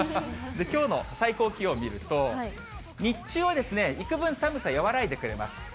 きょうの最高気温見ると、日中はですね、いくぶん、寒さ和らいでくれます。